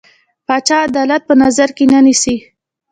پاچا عدالت په نظر کې نه نيسي.